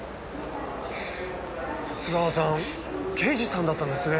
十津川さん刑事さんだったんですね。